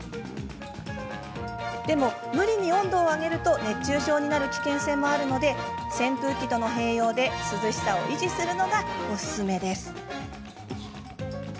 でも、無理に温度を上げると熱中症になる危険性もあるので扇風機との併用で涼しさを維持するのがおすすめです。